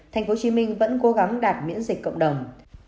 tp hcm vẫn cố gắng đạt miễn dịch cộng đồng